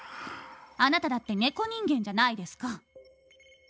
あなただって猫人間じゃないですか。